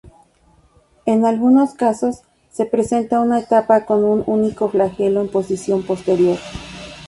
En algunos casos se presenta una etapa con un único flagelo en posición posterior.